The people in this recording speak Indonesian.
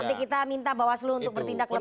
nanti kita minta bahwa selu untuk bertindak lebih